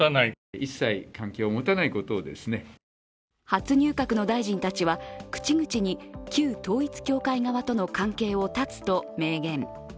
初入閣の大臣たちは、口々に旧統一教会側との関係を断つと明言。